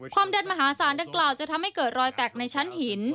เดินมหาศาลดังกล่าวจะทำให้เกิดรอยแตกในชั้นหิน